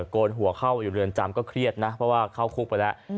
โกนหัวเข้าอยู่เรือนจำก็เครียดนะเพราะว่าเข้าคุกไปแล้ว